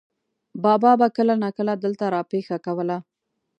بابا به کله ناکله دلته را پېښه کوله.